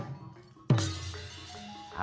saya sudah bisa menggunakan wayang yang berbeda